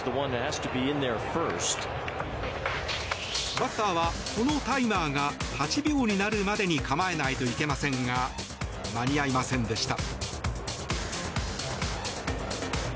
バッターはこのタイマーが８秒になるまでに構えないといけませんが間に合いませんでした。